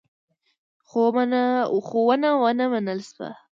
خو ونه منل شوه.